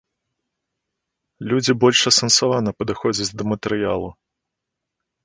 Людзі больш асэнсавана падыходзяць да матэрыялу.